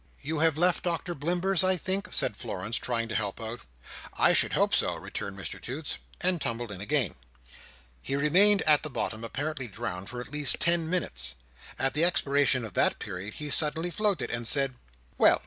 "You have left Dr Blimber's, I think?" said Florence, trying to help him out. "I should hope so," returned Mr Toots. And tumbled in again. He remained at the bottom, apparently drowned, for at least ten minutes. At the expiration of that period, he suddenly floated, and said, "Well!